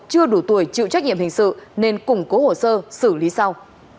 chưa đủ tuổi chịu trách nhiệm hình sự nên củng cố hồ sơ xử lý sau